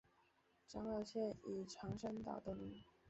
长岛县以长山岛得名。